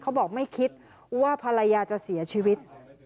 เขาบอกไม่คิดว่าภรรยาจะเสียชีวิต